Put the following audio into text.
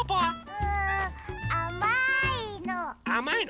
うんあまいの。